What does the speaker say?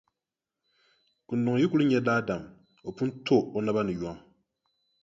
Kunduŋ yi kuli nya daadam, o pun to o naba ni yom.